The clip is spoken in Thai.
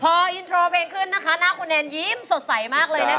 พออินโทรเพลงขึ้นนะคะหน้าคุณแนนยิ้มสดใสมากเลยนะคะ